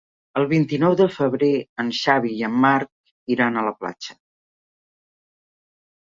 El vint-i-nou de febrer en Xavi i en Marc iran a la platja.